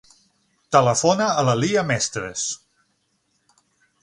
Telefona a la Lya Mestres.